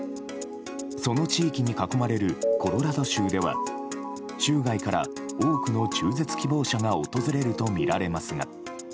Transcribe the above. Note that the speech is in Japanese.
その地域に囲まれるコロラド州では州外から多くの中絶希望者が訪れるとみられますが。